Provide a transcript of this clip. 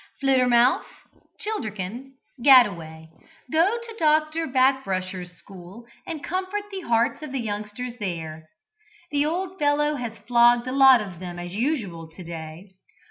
"Flittermouse, Childerkin, Gadaway, go to Doctor Backbrusher's school, and comfort the hearts of the youngsters there. The old fellow has flogged a lot of them as usual to day.